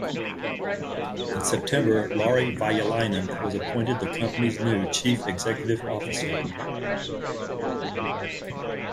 In September Lauri Veijalainen was appointed the company's new Chief Executive Officer.